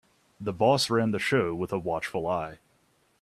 The boss ran the show with a watchful eye.